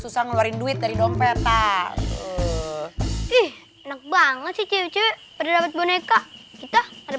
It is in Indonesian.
susah ngeluarin duit dari dompet ah ih enak banget sih cuci pada dapat boneka kita ada